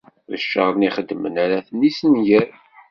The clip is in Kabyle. S ccer-nni i xeddmen ara ten-issenger.